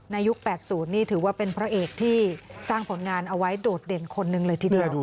ยุค๘๐นี่ถือว่าเป็นพระเอกที่สร้างผลงานเอาไว้โดดเด่นคนหนึ่งเลยทีเดียว